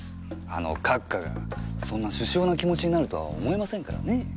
あの閣下がそんな殊勝な気持ちになるとは思えませんからね。